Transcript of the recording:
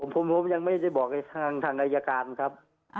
ผมยังไม่ได้บอกให้ทางอายการครับ